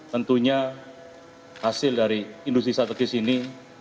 tentunya hasil dari industri strategis ini